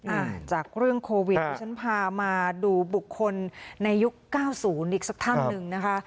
อ่าจากเรื่องโควิดที่ฉันพามาดูบุคคลในยุคเก้าศูนย์อีกสักท่านหนึ่งนะคะ